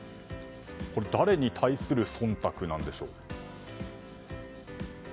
誰に対する忖度なんでしょう？